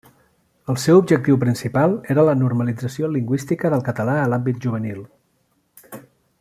El seu objectiu principal era la normalització lingüística del català a l'àmbit juvenil.